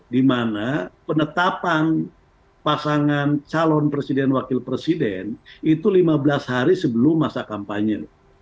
dimana penetapan pasangan calon presiden wakil presiden itu lima belas hari sebelum masa kampanye